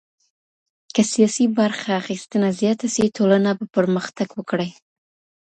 که سياسي برخه اخيستنه زياته سي ټولنه به پرمختګ وکړي.